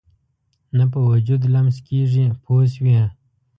نه په وجود لمس کېږي پوه شوې!.